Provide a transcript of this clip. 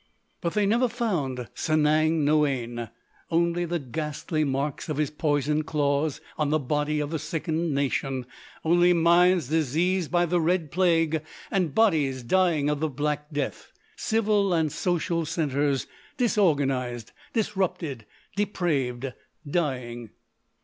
But they never found Sanang Noïane; only the ghastly marks of his poisoned claws on the body of the sickened nation—only minds diseased by the Red Plague and bodies dying of the Black Death—civil and social centres disorganized, disrupted, depraved, dying.